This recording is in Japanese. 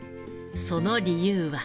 その理由は。